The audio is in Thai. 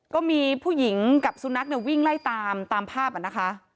ก็มีผู้หญิงกับสุนัขเนี่ยวิ่งไล่ตามตามภาพอ่ะนะคะ